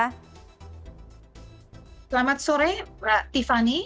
selamat sore pak tiffany